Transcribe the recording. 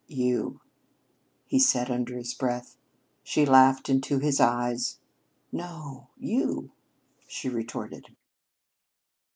"You!" he said under his breath. She laughed into his eyes. "No, you!" she retorted.